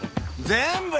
全部？